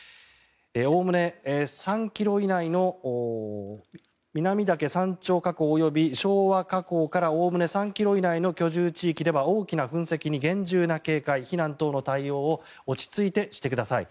おおむね３ｋｍ以内の南岳山頂火口及び昭和火口からおおむね３ｋｍ以内の居住地域では大きな噴石に厳重な警戒避難等の対応を落ち着いて、してください。